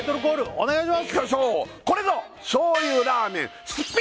お願いします！